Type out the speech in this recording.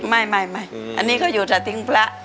ไม่อันนี้ก็อยู่สถทิ้งพระ